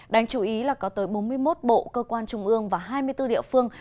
đáng chú ý là có tới bốn mươi một bộ cơ quan trung ương và hai mươi bốn địa phương